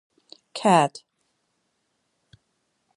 Cat